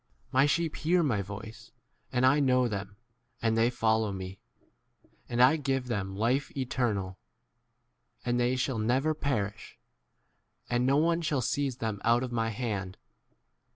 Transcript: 27 My sheep hear my voice, and I ■ know them, and they follow me ; 28 and I ' give them life eternal; and they shall never perish, and no one shall seize them out of my 29 hand.